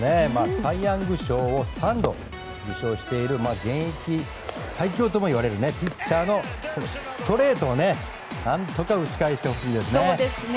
サイ・ヤング賞を３度受賞している現役最強ともいわれるピッチャーのストレートを何とか打ち返してほしいですね。